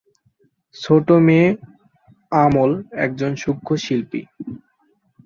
ছোট মেয়ে "আমল" একজন সূক্ষ্ম শিল্পী।